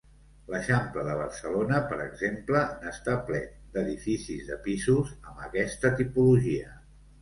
L'Eixample de Barcelona, per exemple, n'està ple, d'edificis de pisos amb aquesta tipologia.